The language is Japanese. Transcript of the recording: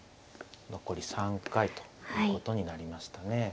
残り３回ということになりましたね。